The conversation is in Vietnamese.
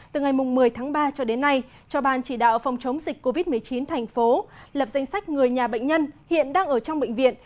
từ ngày một mươi tháng ba cho đến nay cho ban chỉ đạo phòng chống dịch covid một mươi chín thành phố lập danh sách người nhà bệnh nhân hiện đang ở trong bệnh viện